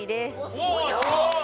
おすごい！